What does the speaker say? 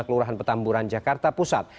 kelurahan petamburan jakarta pusat